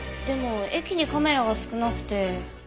でも駅にカメラが少なくて。